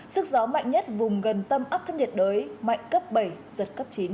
sức gió mạnh nhất vùng gần tâm áp thấp nhiệt đới mạnh cấp bảy giật cấp chín